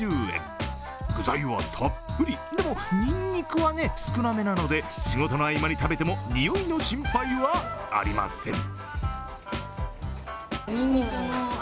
具材はたっぷり、でもにんにくは少なめなので仕事の合間に食べても臭いの心配はありません。